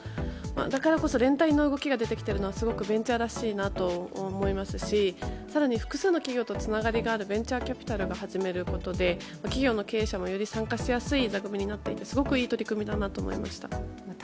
だからこそ連帯の動きが出てきているのはベンチャーらしいなと思いますし更に複数の企業とつながりがあるベンチャーキャピタルが始めることで企業の経営者も、より参加しやすくなっていてすごくいい取り組みだと思いました。